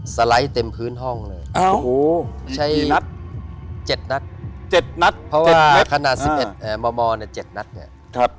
สไลด์เต็มพื้นห้องเลยใช้เจ็ดนัดเพราะว่าขนาดสิบเอ็ดบอร์มอร์เจ็ดนัดเนี่ย